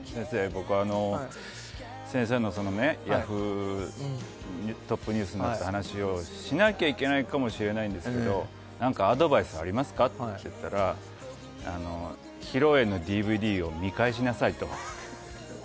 僕、先生のＹａｈｏｏ！トップニュースになった話をしないといけないかもしれないんですけどなんかアドバイスありますかって聞いたら披露宴のＤＶＤを見返しなさいと。